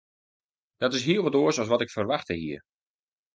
Dat is hiel wat oars as wat ik ferwachte hie.